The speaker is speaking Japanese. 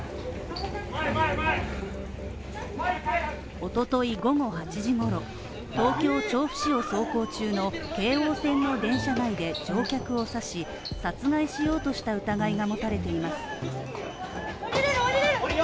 おととい午後８時頃、東京・調布市を走行中の京王線の電車内で乗客を刺し殺害しようとした疑いが持たれています。